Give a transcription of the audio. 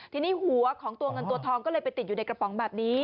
ทีนี้หัวของตัวเงินตัวทองก็เลยไปติดอยู่ในกระป๋องแบบนี้